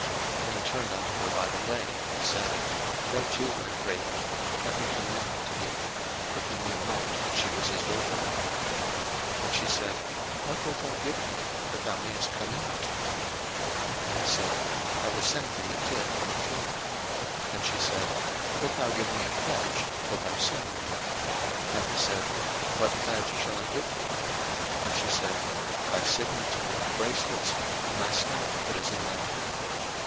01:038:016 And he turned unto her by the way, and said, Go to, I pray thee, let me come in unto thee; (for he knew not that she was his daughter in law.) And she said, What wilt thou give me, that thou mayest come in unto me? 01:038:017 And he said, I will send thee a kid from the flock. And she said, Wilt thou give me a pledge, till thou send it? 01:038:018 And he said, What pledge shall I give thee? And she said, Thy signet, and thy bracelets, and thy staff that is in thine hand.